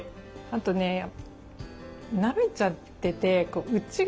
あとねなめちゃってて内側